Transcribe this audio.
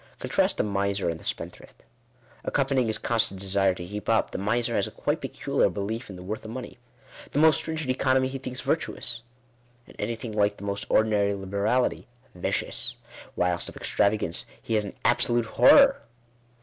Contrast the miser and the spendthrift. Accompanying his constant desire to heap up, the miser has a quite peculiar belief in the worth of money. The most strin gent economy he thinks virtuous; and anything like the most ordinary liberality vicious; whilst of extravagance he has an absolute horror.